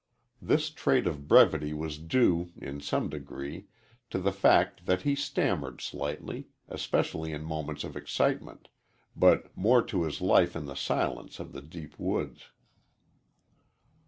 This trait of brevity was due, in some degree, to the fact that he stammered slightly, especially in moments of excitement, but more to his life in the silence of the deep woods.